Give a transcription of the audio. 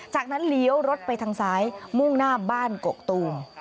จากนั้นเลี้ยวรถไปทางซ้ายมุ่งหน้าบ้านกกตูม